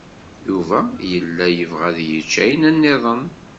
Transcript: Yuba yella yebɣa ad yečč ayen niḍen.